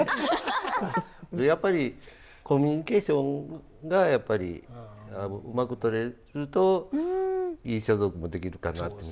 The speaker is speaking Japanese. やっぱりコミュニケーションがやっぱりうまくとれるといい装束も出来るかなと思いますので。